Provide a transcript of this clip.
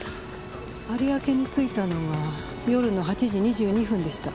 有明に着いたのは夜の８時２２分でした。